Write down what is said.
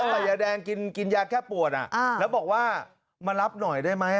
ใส่ยาแดงกินยาแค่ปวดแล้วบอกว่ามารับหน่อยได้ไหม